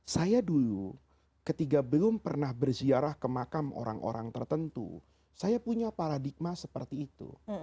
saya dulu ketika belum pernah berziarah ke makam orang orang tertentu saya punya paradigma seperti itu